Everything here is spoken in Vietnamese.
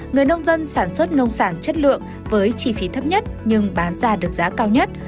người nông dân sản xuất nông sản chất lượng với chi phí thấp nhất nhưng bán ra được giá cao nhất